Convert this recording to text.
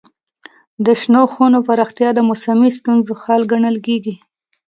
د شنو خونو پراختیا د موسمي ستونزو حل ګڼل کېږي.